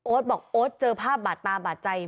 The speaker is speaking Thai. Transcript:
บอกโอ๊ตเจอภาพบาดตาบาดใจ